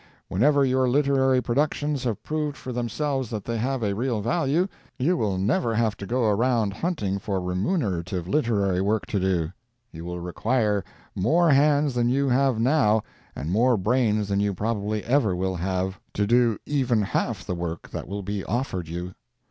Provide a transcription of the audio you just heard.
Whenever your literary productions have proved for themselves that they have a real value, you will never have to go around hunting for remunerative literary work to do. You will require more hands than you have now, and more brains than you probably ever will have, to do even half the work that will be offered you.